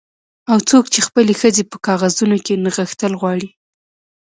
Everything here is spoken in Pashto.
او څوک چې خپلې ښځې په کاغذونو کې نغښتل غواړي